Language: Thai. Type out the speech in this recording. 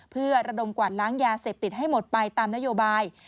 เพื่อระดมกวาดล้างยาเสพติดให้หมดไปตามนโยบาย